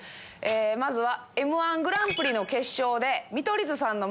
まずは。